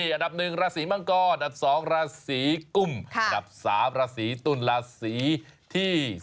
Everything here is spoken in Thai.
อันดับ๑ราศีมังกรอันดับ๒ราศีกุมอันดับ๓ราศีตุลราศีที่